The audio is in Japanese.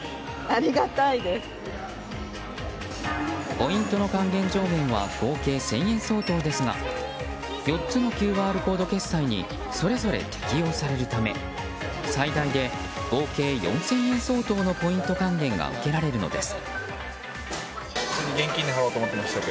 ポイントの還元上限は合計１０００円相当ですが４つのＱＲコード決済にそれぞれ適用されるため最大で合計４０００円相当のポイント還元が受けられるのです。